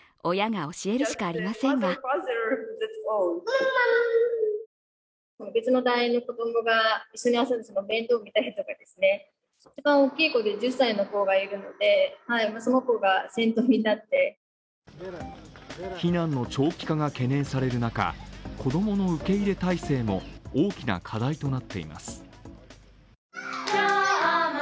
息子の様子について、イリナさんは避難の長期化が懸念される中子供の受け入れ体制も大きな課題となっています。